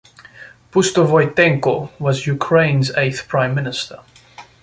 Pustovoitenko was Ukraine's eighth prime minister.